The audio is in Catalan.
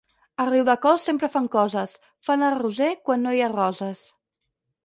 A Riudecols sempre fan coses: fan el Roser quan no hi ha roses.